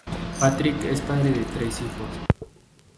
Patrick es padre de tres hijos.